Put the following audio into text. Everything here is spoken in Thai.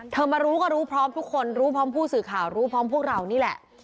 มารู้ก็รู้พร้อมทุกคนรู้พร้อมผู้สื่อข่าวรู้พร้อมพวกเรานี่แหละ